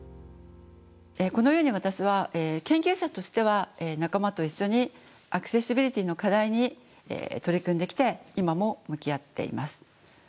このように私は研究者としては仲間と一緒にアクセシビリティーの課題に取り組んできて今も向き合っています。